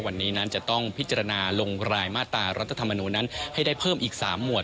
วันนี้นั้นจะต้องพิจารณาลงรายมาตรารัฐธรรมนูญนั้นให้ได้เพิ่มอีก๓หมวด